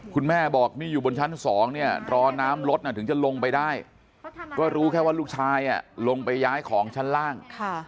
คุณแม่บอกนี่อยู่บนชั้น๒เนี่ยรอน้ำรถถึงจะลงไปได้ก็รู้แค่ว่าลูกชายลงไปย้ายของชั้นล่าง